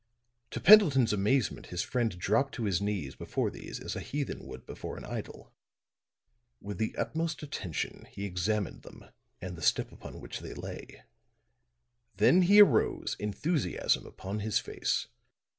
To Pendleton's amazement, his friend dropped to his knees before these as a heathen would before an idol. With the utmost attention he examined them and the step upon which they lay. Then he arose, enthusiasm upon his face.